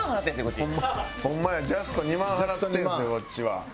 こっちは。